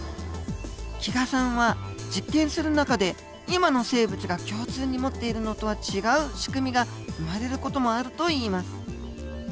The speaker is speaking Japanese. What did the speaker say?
木賀さんは実験する中で今の生物が共通に持っているのとは違う仕組みが生まれる事もあるといいます。